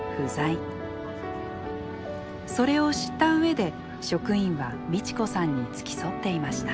それを知った上で職員はミチ子さんに付き添っていました。